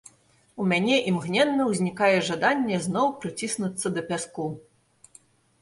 У мяне імгненна ўзнікае жаданне зноў прыціснуцца да пяску.